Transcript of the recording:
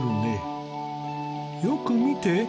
よく見て。